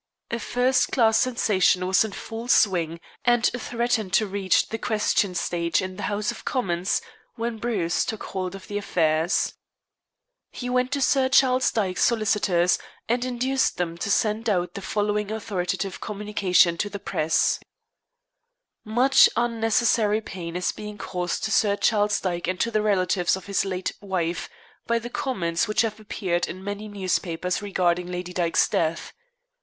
A first class sensation was in full swing and threatened to reach the question stage in the House of Commons when Bruce took hold of affairs. He went to Sir Charles Dyke's solicitors, and induced them to send out the following authoritative communication to the press: "Much unnecessary pain is being caused to Sir Charles Dyke and to the relatives of his late wife by the comments which have appeared in many newspapers regarding Lady Dyke's death.